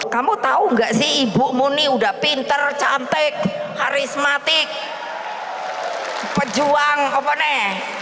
kamu tau gak sih ibu mu nih udah pintar cantik karismatik pejuang apa nih